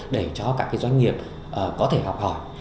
để cho các doanh nghiệp có thể học hỏi